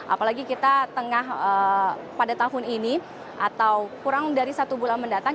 apalagi kita tengah pada tahun ini atau kurang dari satu bulan mendatang